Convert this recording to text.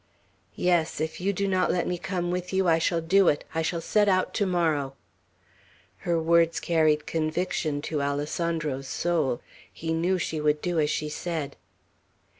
"Yes, if you do not let me come with you, I shall do it. I shall set out to morrow." Her words carried conviction to Alessandro's soul. He knew she would do as she said.